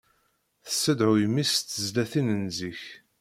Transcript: Tessedhuy mmi-s s tezlatin n zik.